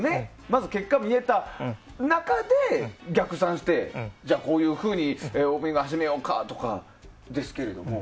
まず結果が見えた中で逆算してじゃあ、こういうふうにオープニング始めようかですけど。